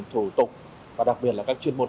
thủ tục và đặc biệt là các chuyên môn